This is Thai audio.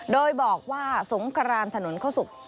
โดยบอกว่าสงครานถนนเข้าศุกร์